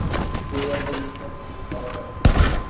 گویا ہر سمت سے جواب آئے